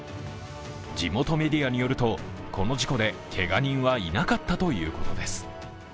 地元メディアによると、この事故でけが人はいなかったということです。